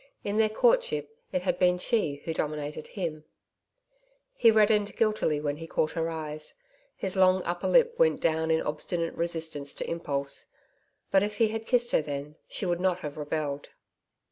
In their courtship it had been she who dominated him. He reddened guiltily when he caught her eyes. His long upper lip went down in obstinate resistance to impulse. But if he had kissed her then, she would not have rebelled.